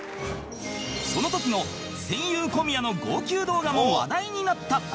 その時の戦友小宮の号泣動画も話題になった